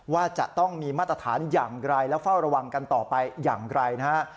ว่าจะต้องมีมาตรฐานอย่างไรและเฝ้าระวังกันต่อไปอย่างไรนะฮะ